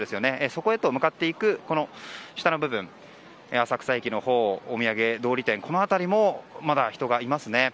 そこへと向かっていく浅草駅のほうお土産通り店の辺りもまだ人がいますね。